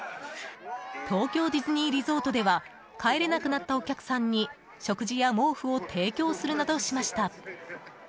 東京ディズニーリゾートでは帰れなくなったお客さんに食事や毛布を提供するなどしました。